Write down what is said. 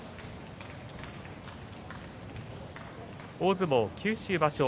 大相撲九州場所